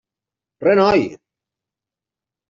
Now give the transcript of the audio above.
Renoi!